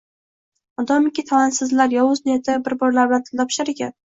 Modomiki talantsizlar yovuz niyatda bir-biri bilan til topishar ekan